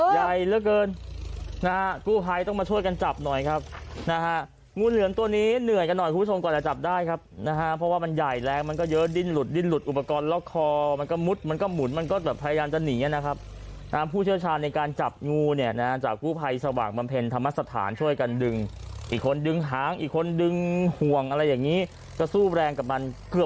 ใหญ่เหลือเกินนะครับกู้ภัยต้องมาช่วยกันจับหน่อยครับนะฮะงูเหลือมตัวนี้เหนื่อยกันหน่อยคุณผู้ชมก่อนแล้วจับได้ครับนะฮะเพราะว่ามันใหญ่แรงมันก็เยอะดิ้นหลุดดิ้นหลุดอุปกรณ์ล็อกคอมันก็มุดมันก็หมุนมันก็แบบพยายามจะหนีนะครับนะฮะผู้เชื้อชาญในการจับงูเนี่ยนะฮะจากกู้ภัยสว่างบำเพ